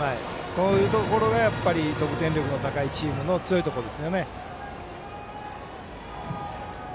こういうところが得点力の高いチームの強いところですよね。